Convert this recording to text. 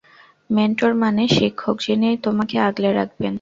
Mentor মানে শিক্ষক যিনি তোমাকে আগলে রাখবেন।